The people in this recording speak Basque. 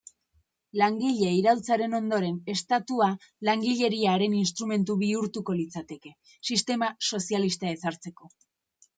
Langile-iraultzaren ondoren, estatua langileriaren instrumentu bihurtuko litzateke, sistema sozialista ezartzeko.